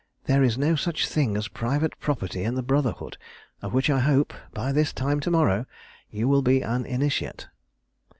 There is no such thing as private property in the Brotherhood, of which I hope, by this time to morrow, you will be an initiate.